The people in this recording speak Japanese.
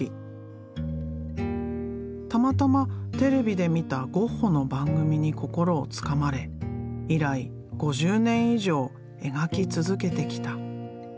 たまたまテレビで見たゴッホの番組に心をつかまれ以来５０年以上描き続けてきた。